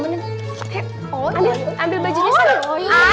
masa dulu aku mau ke rumah